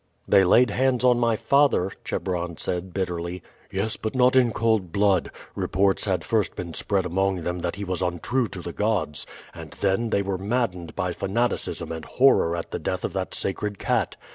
"They laid hands on my father," Chebron said bitterly. "Yes, but not in cold blood. Reports had first been spread among them that he was untrue to the gods, and then they were maddened by fanaticism and horror at the death of that sacred cat.